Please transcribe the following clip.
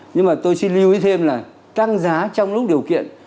nhưng mà tôi xin lưu ý thêm là tăng giá trong lúc điều kiện